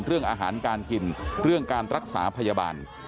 เรื่องอาหารการกินเรื่องการรักษาพยาบาล